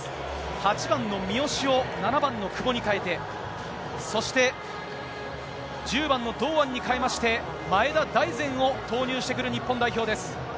８番の三好を７番の久保に代えて、そして１０番の堂安に代えまして、前田大然を投入してくる日本代表です。